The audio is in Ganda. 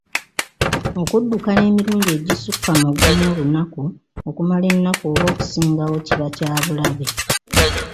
Okuddukana emirundi egisukka mu gumu olunaku okumala ennaku oba okusingawo kiba kyabulabe.